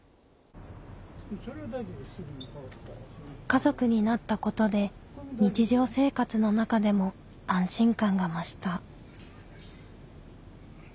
家族になったことで日常生活の中でも安心感が増した。